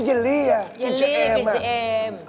เยลลี่ปิจาเอมอ่ะ